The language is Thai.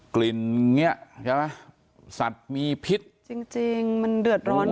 กลิ่นอย่างนี้ใช่ไหมสัตว์มีพิษจริงจริงมันเดือดร้อน